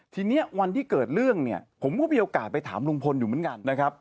ทีนี้วันที่เกิดเรื่องเนี่ยผมก็มีโอกาสไปถามลุงพลอยู่เหมือนกันนะครับ